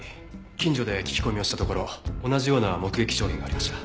近所で聞き込みをしたところ同じような目撃証言がありました。